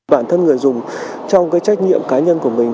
bản thân người dùng trong cái trách nhiệm cá nhân của mình